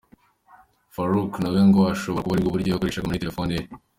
Farook na we ngo ashobora kuba aribwo buryo yakoreshaga muri telefoni ye.